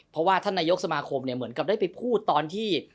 เพราะว่าท่านนายกสมาคมเหมือนกับได้ไปพูดตอนที่